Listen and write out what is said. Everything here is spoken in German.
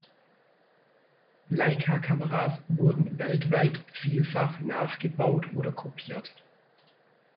Leica-Kameras wurden weltweit vielfach nachgebaut oder kopiert.